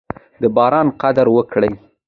د باران قدر وکړئ.